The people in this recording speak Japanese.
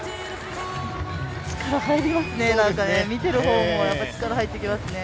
力入りますね、見ている方も力入ってきますね。